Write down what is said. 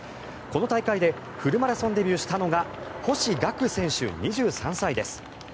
この大会でフルマラソンデビューしたのが星岳選手、２３歳です。